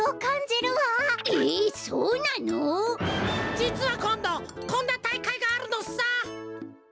じつはこんどこんな大会があるのさ。